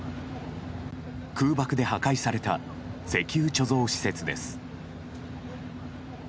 空爆で破壊された石油貯蔵施設です。